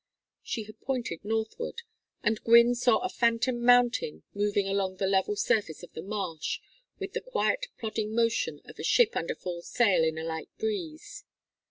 She had pointed northward, and Gwynne saw a phantom mountain moving along the level surface of the marsh with the quiet plodding motion of a ship under full sail in a light breeze.